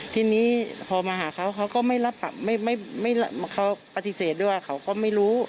ทีนี้พอมาหาเขาเขาก็ไม่รับเขาปฏิเสธด้วยเขาก็ไม่รู้